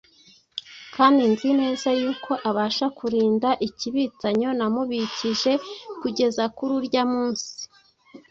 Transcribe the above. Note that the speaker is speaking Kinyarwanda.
kandi nzi neza yuko abasha kurinda ikibitsanyo namubikije kugeza kuri urya munsi.”